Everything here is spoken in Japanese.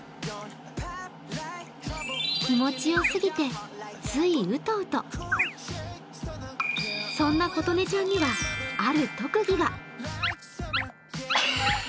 気持ちよすぎてついうとうとそんな琴音ちゃんにはある特技が。